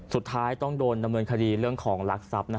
สุดท้ายต้องโดนดำเนินคดีเรื่องของรักทรัพย์